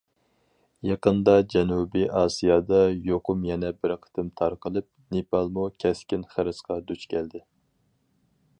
يېقىندا جەنۇبىي ئاسىيادا يۇقۇم يەنە بىر قېتىم تارقىلىپ، نېپالمۇ كەسكىن خىرىسقا دۇچ كەلدى.